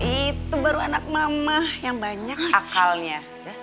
itu baru anak mama yang banyak akalnya